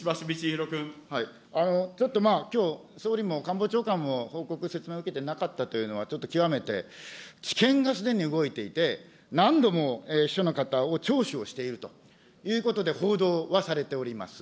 ちょっときょう、総理も官房長官も報告説明を受けてなかったというのは、ちょっと極めて地検がすでに動いていて、何度も秘書の方を聴取をしているということで、報道はされております。